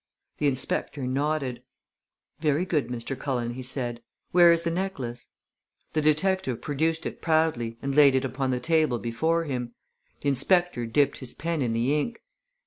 The inspector nodded. "Very good, Mr. Cullen," he said. "Where is the necklace?" The detective produced it proudly and laid it upon the table before him. The inspector dipped his pen in the ink.